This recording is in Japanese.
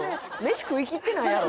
飯食いきってないやろ